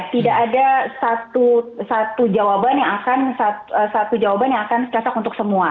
tidak ada satu jawaban yang akan sesak untuk semua